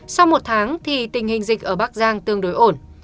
sau một tháng thì tình hình dịch ở bắc giang tương đối ổn